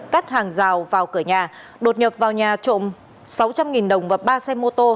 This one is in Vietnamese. cắt hàng rào vào cửa nhà đột nhập vào nhà trộm sáu trăm linh đồng và ba xe mô tô